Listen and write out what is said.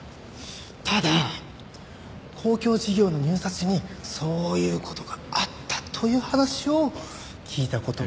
ただ公共事業の入札時にそういう事があったという話を聞いた事があります。